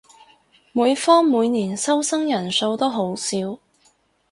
每科每年收生人數都好少